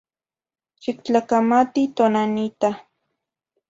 Xictlacamati tonanita.